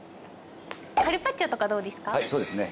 カルパッチョとかどうですか？